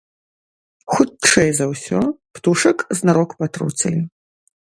Хутчэй за ўсё, птушак знарок патруцілі.